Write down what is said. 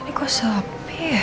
ini kok sepi ya